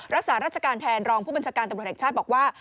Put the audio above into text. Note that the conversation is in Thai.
รักษาราชการแทนรองผู้บัญชาการตำรวจแห่งชาติบอกว่า